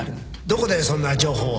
どこでそんな情報を？